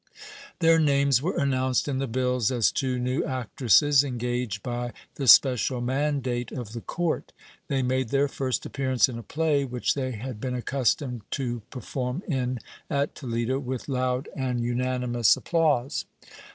Their names were announced in the bills as two new actresses, engaged by the special mandate of the court. They made their first appearance in a play, which they had been accustomed to perform in at Toledo with loud and unanimous applause.